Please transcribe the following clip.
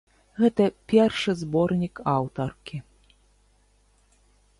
Гэта першы зборнік аўтаркі.